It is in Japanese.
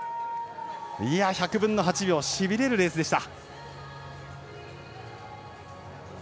１００分の８秒しびれるレースでした。